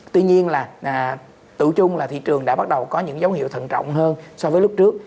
tuy nhiên là tựu chung là thị trường đã bắt đầu có những dấu hiệu thận trọng hơn so với lúc trước